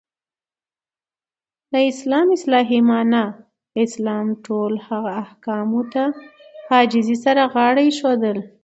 د اسلام اصطلاحی معنا : اسلام ټولو هغه احکامو ته په عاجزی سره غاړه ایښودل.